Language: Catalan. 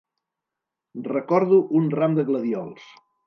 Recordo un ram de gladiols.